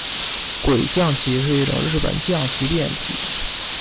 鬼将棋是一种日本将棋变体。